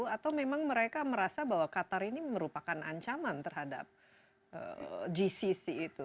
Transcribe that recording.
atau memang mereka merasa bahwa qatar ini merupakan ancaman terhadap gcc itu